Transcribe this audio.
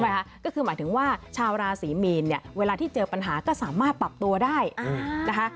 หมายก็คือหมายถึงว่าชาวราศรีมีนเนี่ยเวลาที่เจอปัญหาก็สามารถปรับตัวได้นะคะ